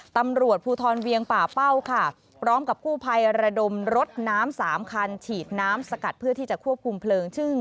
ตำรวจภูทรเวียงป่าเป้าค่ะพร้อมกับกู้ภัยระดมรถน้ำ๓คันฉีดน้ำสกัดเพื่อที่จะควบคุมเพลิง